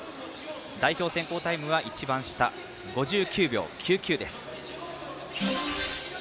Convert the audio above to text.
代表選考タイムは５９秒９９です。